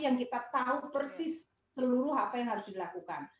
yang kita tahu persis seluruh apa yang harus dilakukan